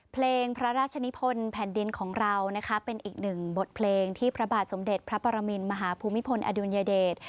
เพลงพระราชนิพลแผ่นดินของเรานะคะเป็นอีกหนึ่งบทเพลงที่พระบาทสมเด็จพระปรมินมหาภูมิพลอดุลยเดช